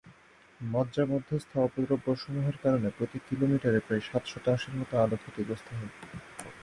মজ্জা-মধ্যস্থ অপদ্রব্যসমূহের কারণে প্রতি কিলোমিটারে প্রায় সাত শতাংশের মতো আলো ক্ষতিগ্রস্ত হয়।